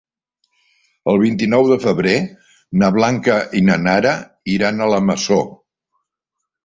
El vint-i-nou de febrer na Blanca i na Nara iran a la Masó.